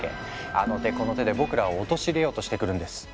あの手この手で僕らを陥れようとしてくるんです。